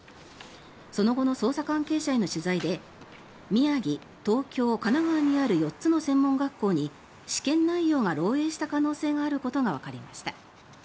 その後の捜査関係者への取材で宮城、東京、神奈川にある４つの専門学校に試験内容が漏えいした可能性があることがわかりました。